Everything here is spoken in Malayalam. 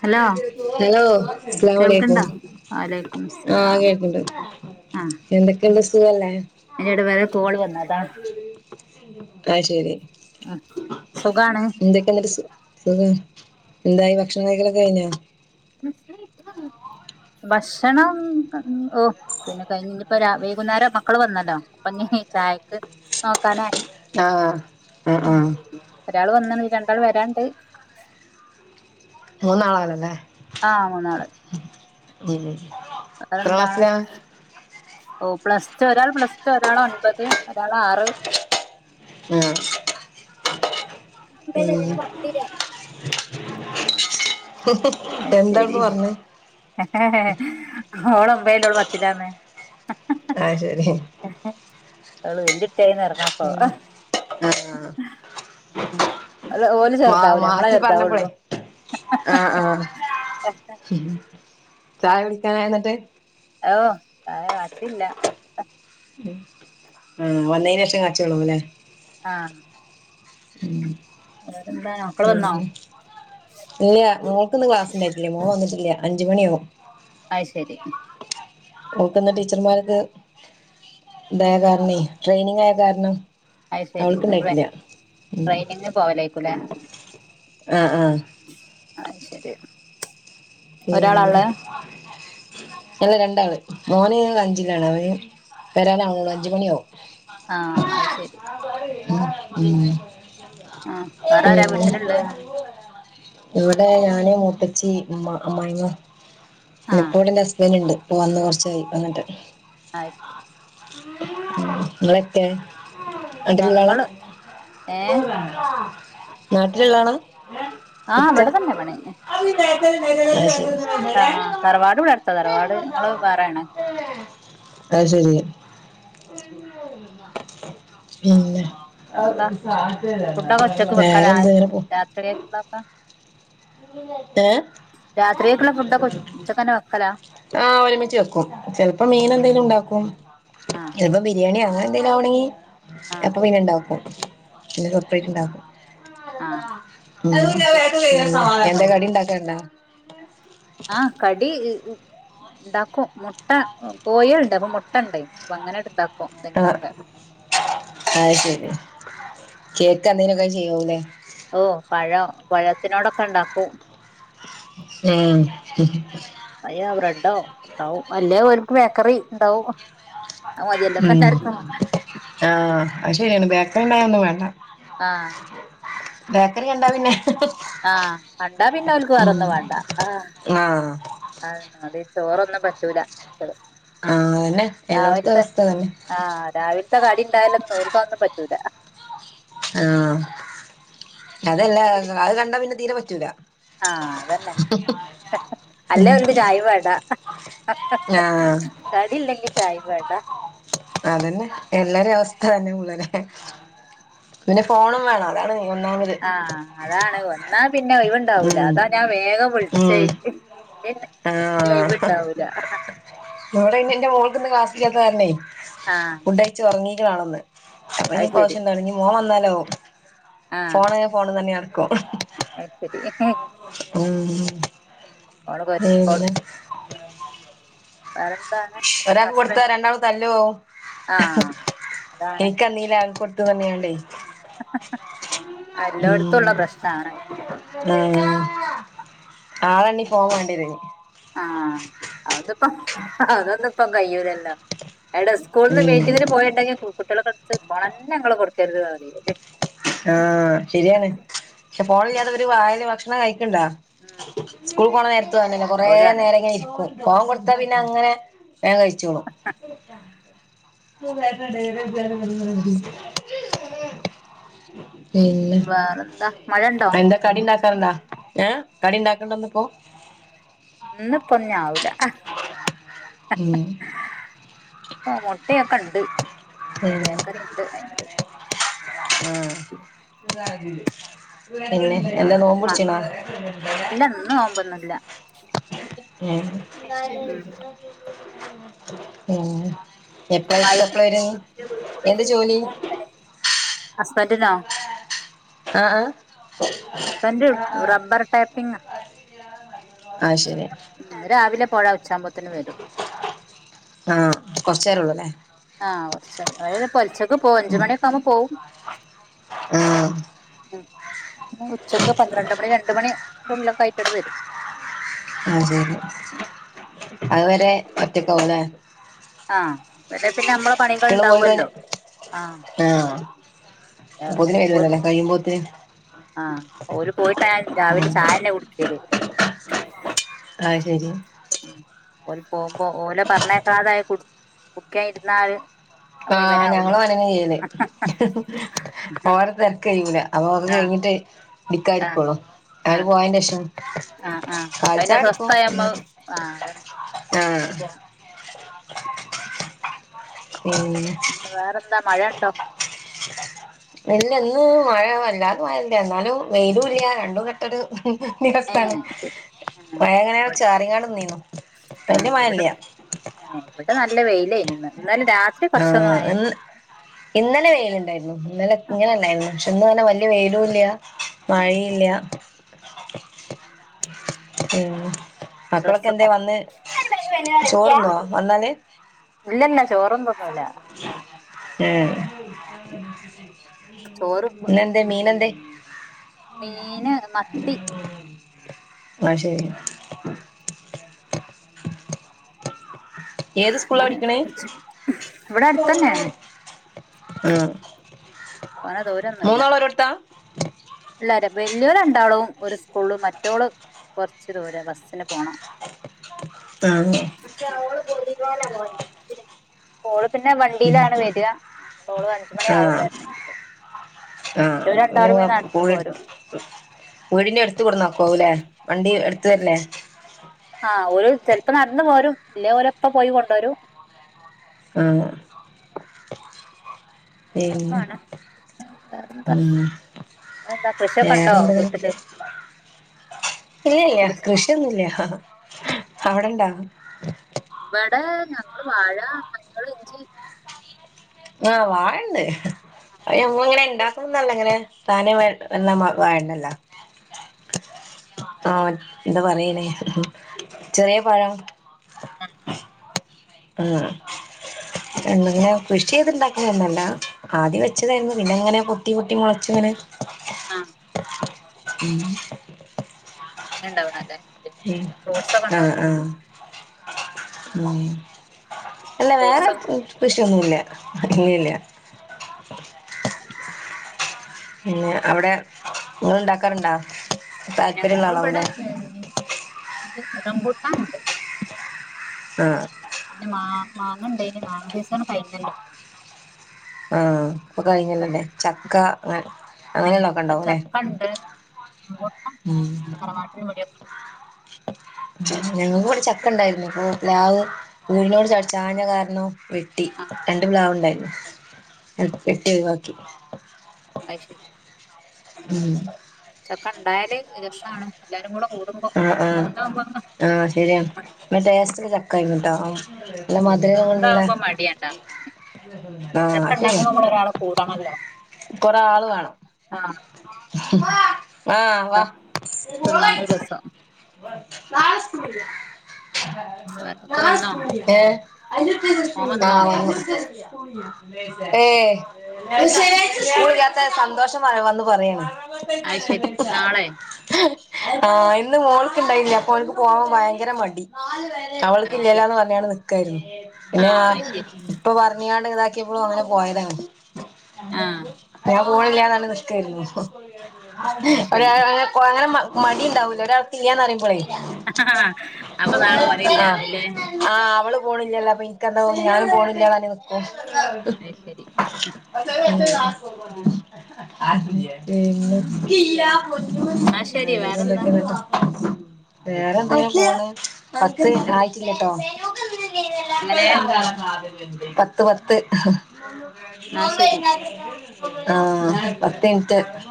ഹലോ ഹലോ അസ്സലാമു അലൈക്കും കേൾക്ക്ണ്ടാ വയലയ്ക്കും മുസ്സലാം എന്തൊക്കെയുണ്ട് സുഖല്ലേ? അതിന്റെ ഇടെ വേറെ കോൾ വന്നാ അയ്ശരി ആഹ് സുഖാണ് എന്നിട്ട് സു [unintelligible] എന്തായി ഭക്ഷണം കൈക്കലൊക്കെ കഴിഞ്ഞാ ഭക്ഷണം ഓ പിന്നെ കഴിഞ്ഞി ഇപ്പൊ വൈകുന്നേരം മക്കള് വന്നല്ലോ അപ്പൊ ഇഞ്ഞി ചായക്ക് നോക്കാനായി ആഹ് ആഹ് ആഹ് ഒരാൾ വന്ന്ന് രണ്ടാൾ വരാണ്ട് മൂന്നാളാലല്ലേ? ആഹ് മൂന്നാള്. ഉം എത്ര വേറെന്താണ്? ക്ലാസ്സിലാ ഓ പ്ലസ് ടു ഒരാൾ പ്ലസ് ടു ഒരാൾ ഒൻപത് ഒരാൾ ആറ് ആഹ് പിന്നെ എന്താപ്പ പറഞ്ഞെ? ഓളൊമ്പേയിലു ഓൾ പത്തിലാന്ന് ആഹ് ശരി ഓള് വെല്യട്ടായിന്ന്റങ്ങാ ഉം ആഹ് ഓല് ഓല് മാ ചെറുതാവൂല നമ്മളെ മാറ്റി പറഞ്ഞപ്പോളെ ചെറുതാവുള്ളു ആഹ് ആഹ് [inaudible] ഉ ചായ കുടിക്കാനായി എന്നിട്ട് ഓ ചായ കാച്ചില്ല കാച്ചട്ടെ ഉ ആ വന്നേനേഷം കാച്ചേള്ളൂല്ലേ ആഹ് വേറെന്താ മക്കള് വന്നോ ഇല്യാ മോൾക്ന്ന് ക്ലാസ്ണ്ടായിട്ടില്യ മോൻ വന്നിട്ടില്യ അഞ്ചുമണിയാവും അയ്ശെരി ഓക്ന്ന് ടീച്ചർമാർക്ക് ഇതായ മീറ്റിംഗ് കാരണം ട്രെയിനിങ് ആയ കാരണം അയ്ശരി അവൾക്ക്ണ്ടായിട്ടില്ല ഉം ട്രെയിനിങ് പോവലായിക്കൂലേ ആഹ് ആഹ് അയ് ശരി ഒരാളാള്ളെ പിന്നെ അല്ല രണ്ടാള് മോന്ന് അഞ്ചിലാണ് അവന് വരാനാവുള്ളൂ അഞ്ചമണിയാവും ആഹ് അയ് ശെരി ഉം ആഹ് ഉം വേറെ ആരാ പിന്നെ വീട്ടിലുള്ളെ ഇവിടെ ഞാന് മുത്തച്ചി ഇമ്മ അമ്മായിമ ആഹ് നിപ്പോ ഇവടെ എന്റെ ഹസ്ബന്റ്ണ്ട് പ്പ വന്ന് കൊർച്ചയായി വന്നിട്ട് അ ശരി ങ്ങളെക്കേ നാട്ടിലുള്ള ആള ഞങ്ങള് ഏഹ് നാട്ടിലള്ളാളാ ആഹ് ഇക്ക ഇവിടെ തന്നെ പണി ആയ് ശെരി ഇബടെ ആഹ് തറവാട് ഇവിടെ അടുത്താ തറവാട് ഞങ്ങള് വേറെയാണ് അയ് ശരി പിന്നെ വേറെന്താ ഫുഡൊക്കെ ഉച്ചക്ക് വെക്കലാ വേറെന്തേങ്ങനെ പോണ് [unintelligible] രാത്രിയേക്കുള്ള ഫുഡൊക്കെ ഉച്ചക്കന്നെ ഏഹ് വെക്കലാ ആഹ് ഒരുമിച്ച് വെക്കും ചെൽപ്പോ മീനെന്തെങ്കിലും ഉണ്ടാക്കും ആഹ് ബിരിയാണി അങ്ങനെ എന്തേലും ആവുണെങ്കിൽ ആഹ് അപ്പൊ പിന്നെ ഇണ്ടാക്കും പിന്നെ അത് ശരി സെപ്പറേറ്റ് ഇണ്ടാക്കും ആഹ് ഉം എന്താ കടി ഉണ്ടാക്കണ്ടാ ആഹ് കടിഇ ഈ ണ്ടാക്കും മുട്ട കോയേൾണ്ട് അപ്പൊ മുട്ടണ്ട് അപ്പ അങ്ങനെട്ട്ണ്ടാകും എന്തെന്തൊക്കെ അയ് ശരി കേക്ക് എന്തേനൊക്കെ ചെയ്യല്ലേ ഓ പഴം പഴത്തിനോടൊക്കെ ഉണ്ടാക്കും ഉം പയ്യോ ബ്രെഡോ ഉണ്ടാവും അല്ലേ ഓൽക്ക് ബേക്കറിണ്ടാവും അത് മതിയല്ലോ ഇപ്പ ഉം എല്ലാർക്കും ആഹ് അയ്ശരിയാണ് ബേക്കറി ഇണ്ടായ ഒന്നും വേണ്ട ആഹ് ബേക്കറി കണ്ടാ പിന്നെ ആഹ് കണ്ടാ പിന്ന ഓൽക്ക് ഉം വേറൊന്നും വെണ്ട ആഹ് ആഹ് അത അതന്നെ ചോറൊന്നും പറ്റൂല മിച്ച റ് ആഹ് അതന്നെ എല്ലോടത്തെ രാവിൽത്തെ അവസ്ഥ അതന്നെ ആഹ് രാവിൽത്തെ കടി ഇണ്ടായാലൊന്നും ഒൽക്കതൊന്നും പറ്റൂല ആഹ് അതെല്ല അ അത് കണ്ട പിന്ന തീര പറ്റൂല ആഹ് അതന്നെ അല്ലേ അവൽക്ക് ചായേം വേണ്ട ഹ് ഹ ഹ ആഹ് ഹ കടി ഇല്ലെങ്കി ചായിം വേണ്ട അതന്നെ എല്ലാരെ അവസ്ഥ അതന്നെ ഉളരെ പിന്നെ ഫോണും വേണം അതാണ് മെ ഒന്നാമ ആഹ് അതാണ് വന്നാ പിന്നെ ഓയ്‌വ്ണ്ടാവൂല ഉം അതാ ഞാ വേഗം വിളിച്ചേയ് ഉം ഇന്ന് ഇനി ഓയ്‌വ്ണ്ടാവൂല ഹഹ ഇവ്ടെനി എന്റ മോൾക്ക്ന്ന് ക്ലാസ്സില്ലാത്ത കാരണേ ആഹ് ഫുഡയ്ച്ചു ഉറങ്ങീക്കാണ്ന്ന് അവനി അത് ശരി പോശൻ തൊടങ്ങി മോം വന്നാലോ ഫോണ് ഫോണെന്ന്നി നടക്കും അയ്ശരി ഉം ഓള് കൊരക്കോളും പിന്നെ വേറെന്താണ് ഒരാക്ക് കൊടുത്താ ഹസ്ബൻഡ് രണ്ടാളും തല്ലു ആവും ആഹ് അതാണ് എനിക്കന്നീലാ ഓന്ക്ക് കൊട്ത്തു പറഞ്ഞ്ങ്ങാണ്ടെ ഉം എല്ലോട്ത്തുള്ള പ്രശ്നാണ് ഉം ആള്ളെണ്ണി ഫോൺ വാണ്ടിരയ് ആഹ് അത്പ്പം അതൊന്ന് ഇപ്പം കയ്യൂലല്ലോ എടാ സ്കൂൾന്ന് ഇനി ഉം മീറ്റിംഗ് ന് പോയെണ്ടെങ്കി സ്കൂൾ കുട്ടികളെ കജ്ജ് ഫോണന്നെ ഇങ്ങള് കൊടുക്കരുത് ന്ന് പറയും ആഹ് ശരിയാണ് പക്ഷെ ഫോണില്ലാത്ത ഇവര് വായ്ല് ഭക്ഷണം കയ്ക്ക്ണ്ടോ ഉം സ്കൂൾ പോണ നേരത്തു അങ്ങന്നന്ന കൊറേ ഓലാണ് നേരം ഇങ്ങനെ ഇരിക്കും ഫോൺ കൊട്ത്താ പിന്ന അങ്ങനെ വേഗം കഴിച്ചോളും പിന്നെ വേറെന്താ മഴ ഉണ്ടോ അന്റ കടി ഇണ്ടാക്കാറ്ണ്ടോ ഏഹ് കടി ഇണ്ടാക്ക്ണ്ട ഇന്ന്പ്പോ ഇന്ന് ഇപ്പ ഞ്ഞി ആവൂല ഹ ഉം ഹഹ ആഹ് മൊട്ടയൊക്കണ്ട് ഉം ബേക്കറിണ്ട് അയ്നത് ആഹ് പിന്നെ എന്താ എന്താണ് നോമ്പ് മ പിടിച്ചീന്നോ ഇല്ല ഇന്ന് നോമ്പൊന്നുല്ല ഏഹ് പിന്ന ഉം എപ്പള പിന്നെ മഴ എത്ത എപ്പള വര എന്ത് ജോലി ഹസ്ബന്റിനോ ആഹ് ആഹ് ഹസ്ബന്റ് റബ്ബർ ടാപ്പിംങാ ആഹ് ശരി ഉം രാവില പോഴ ഉച്ചാപ്പോത്തെന് വെരും ആഹ് കൊറച്ചേരം ഉള്ള്ല്ലേ ആഹ് കൊറച്ച് നേരം [unintelligible] പൊൽച്ചക്ക് പോം. അഞ്ചുമണിയൊക്ക ആവുമ്പ പോവും ആഹ് ഉം ഉച്ചക്ക് പന്ത്രണ്ട് മണി രണ്ട് മണി ൻ്റെ ഉള്ള്ലൊക്കായിട്ട് [unintelligible] വെരും ആഹ് ശരി അത് വരെ ഒറ്റക്കാവുല്ലേ ആഹ് വെരെ പിന്ന അമ്മള പണികൾ കുട്ടികള് ഇണ്ടാവു പോയി കഴിഞ്ഞ അല്ലോ ആഹ് പിന്നെ അപ്പൊത്തിന് വരുവല്ലോ ഓല് അല്ലെ കയ്യും പോത്തിന് ആഹ് ഓര് പോയിട്ടാ രാവില ഉം ചായന്നെ കുടിക്കല് ആഹ് ശരി ഓല് പോകുമ്പോ ഓലെ പറഞ്ഞേക്കാതായ കു കുടിക്കൻ ഇരുന്നാല് അത് ആഹ് മുഴുവനാവൂല ഞങ്ങള് വനന ചെയ്യല് ആഹ് ഓരെ തരക്ക് കഴിയൂല അപ്പൊ അത് കഴിഞ്ഞിട്ട് ആഹ് ഇടിക്കാരിക്കോള്ളൂ അവര് ആഹ് പോയന്റെ ശേഷം ആഹ് ആഹ് കാൽ അതിനെ ചായ കുടിക്കും സ്വസ്ഥായ നമ്മ ഒന്ന് ആഹ് അതന്നെ ആഹ് ഉം പിന്നെ വേറെന്താ മഴുണ്ടോ നെല്ലന്നും മഴ വല്ലാതെ മയല്ല എന്നാലും വെയിലും ഇല്ല രണ്ടും ഘട്ടരു ദിവസാണ് ഏഹ് ശരി ആഹ് മഴങ്ങന ഇവിടെ ചാറിങ്ങാടും നിന്നീന്നു തന്ന ആഹ് ഇവിടെ മഴല്ല ഇവിടെ നല്ല വെയിലായിനിന്ന് എന്നാലും രാത് ആഹ് എന്ന ഇന്നലെ വെയിലുണ്ടായിരുന്നു ഇന്നലെ ഇങ്ങനെല്ലായിരുന്നു പക്ഷെ ഇന്ന് തന്നെ വലിയ വെയിലുംല്ല പെയ്തു ആഹ് മഴയില്ല ഉം മക്കളൊക്കെ എന്തെ ഡ്രസ്സൊക്കെ വന്ന് ഇല്ലല്ല ചോർന്ന വന്നാല് ഇല്ലല്ല ചോറും തിന്നുല ഏഹ് ചോറ് പിന്നെന്തേ മീനെന്തേ മീന് മത്തി അയ്ശരി ഏത് സ്കൂളിലാ പഠിക്കണ ഇവിടെ അടുത്തന്നെയാണ് ആം കൊറേ ദൂരംന്നുംല്ല ഇല്ലര വെല്ലുവിള ഉണ്ടാളും ഒരു സ്കൂളും മറ്റോള് കുറച്ച് ദൂര ബസ്സിന് പോണം ആഹ് [unintelligible] ഓള് പിന്നെ വണ്ടിയിലാണ് വരികോള് അഞ്ചുമണി ആാവും ആഹ് വര ആഹ് പിന്നെ നടന്ന് കൂടെ പോരും വീടിന്റെ എടുത്ത കൊടുന്നോക്കോല്ലേ വണ്ടി എടുത്ത തരല്ലേ ആഹ് ഒരു ചെലപ്പോ നടന്നു പോരും ഇല്ലേ ഓരപ്പ പോയി കൊണ്ടുവരും ഉം പിന്നെ അങ്ങനെയൊക്കാണ് ഉം എന്താ കൃഷിയൊക്കെ ഉണ്ടോ വീട്ടില് ഇല്ലല്ല കൃഷി കൃഷിയൊന്നുംല്ല അവിടെണ്ടാ ഇവിടെ ഞങ്ങള് വാഴ മഞ്ഞൾ ഇഞ്ചി ആഹ് വാഴന്ന് അ ഞമ്മ ഇങ്ങനെ ഇണ്ടാക്കണംന്നല്ല ഇങ്ങനെ താന എ വർണ വാഴണ്ടല്ലോ ആഹ് എന്താ പറയ്നേ ചെറിയ പഴം ആഹ് ആഹ് എങ്ങനെ കൃഷി ചെയ്ത്ണ്ടാക്കുന്ന ഒന്നല്ല ആദ്യ വെച്ചതായിരുന്നു പിന്നെ എങ്ങനെ കുട്ടി കുട്ടിങ്ങള വച്ചു ഇങ്ങനെ ആ ഉം രണ്ടാവണല്ലേ ഉം ആഹ് ആഹ് ഉം അല്ല ഫ്രൂട്ട്സ് വേറെ കൃഷിയൊന്നുല്ല അങ്ങല്ല അത് ശരി പിന്നെ അവിടെ നിങ്ങൾ ഉണ്ടാക്കാറുണ്ടാ താല്പര്യംള്ള ആളാവലേ റംബൂട്ടാണ്ട് ആഹ് പിന്നെ മാ മാങ്ങ ഉണ്ടനി മാങ്ങ സീസൺ കഴിഞ്ഞല്ലോ ആഹ് ഇപ്പൊ കഴിഞ്ഞല്ലല്ലേ ചക്ക അ ഉം, അങ്ങനെയള്ളൊക്കെ ഉണ്ടാവലെ [unintelligible] ഞങ്ങക്ക്വ്ടെ ചക്കണ്ടായിരുന്നു ഉം. പ്ലാവ് വീട്നോട് ചാട് ചാഞ്ഞ കാരണം വെട്ടി ആ രണ്ടു പ്ലാവ്ണ്ടയിരുന്നു. ളം വെട്ടി ഒഴിവാക്കി. അയ്ശരി. ഉം ചക്കണ്ടായാല് രസാണ്. എല്ലാരുകൂടെ കൂടുമ്പം ആഹ് ആഹ് ആഹ് ശരിയാണ്. നല്ല ടേസ്റ്റ്ള്ള ചക്കായിന്നുട്ടോ? നല്ല മധുരുള്ള സ്വന്തമാകുമ്പോ മടിയുണ്ടാക്കാന് ആഹ് ചക്ക അത്ശരിയ. ഉണ്ടാക്കുമ്പോ നമ്മൾ ഒരാളെ കൂടണല്ലോ കൊറാള് വേണം. ആ ആഹ് വ ഏഹ് തിന്നാനും രസം ആഹ് ഒക്കെ വന്നോ മോൻ വന്നോ വന്ന് ഏഹ് സ്കൂളില്ലാത്ത സന്തോഷം വ വന്ന് പറയാണ്. അത് ശരി നാളെ ആഹ് ഇന്ന് മോൾക്കിണ്ടെയ്‌നി അപ്പോൻക്ക് പോവാൻ ഭയങ്കര മടി. അത് ശരി അവൾക്കില്ലല്ലോന്ന് പറഞ്ഞാണ്ട് നിക്കായിരുന്നു പിന്നെ ആ ഞാ അത് ശരി ആഹ് ഇപ്പ പറഞ്ഞിങ്ങാണ്ട് ഇങ്ങനതാക്കിയപ്പോ അങ്ങനെ പോയതാണ്. ആഹ് ഞാ പോണില്ലാന്നർഞ്ഞ് നിക്കായിരുന്നു അത് ശരി ഒരാള് അങ്ങന പോവാൻ മടിണ്ടാവുല ഒരാൾക്കില്ലാന്നറിയുമ്പളേ അപ്പൊ നാളെ ആഹ് ഓനില്ലാന്ന്ല്ലേ? ആഹ് അവള് പോണില്ലല്ലോ അപ്പൊ ഇൻക്കൊന്താ ഞാനും പോണില്ലാന്നറിഞ്ഞ് നിക്കും. അത് ശരി ഉം ആ പിന്നെ ശരി വേറെന്താ വേറൊന്തൊക്കെന്നിട്ട്? വേറെന്തങ്ങനെ പോണ് പത്ത് ആയിട്ടില്ലട്ടോ അങ്ങനെ പത്ത് പത്ത് ആ ശരി ആഹ് പത്തിൻറ്റ്